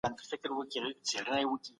اسلام د ژوند بشپړ نظام دی.